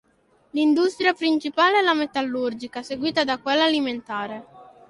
L'industria principale è la metallurgica seguita da quella alimentare.